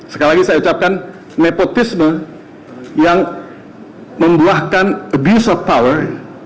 sekali lagi saya ucapkan nepotisme yang membuahkan abuse of power